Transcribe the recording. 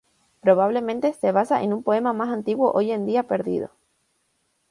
Probablemente se basa en un poema más antiguo hoy en día perdido.